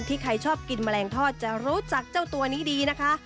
ใครชอบกินแมลงทอดจะรู้จักเจ้าตัวนี้ดีนะคะ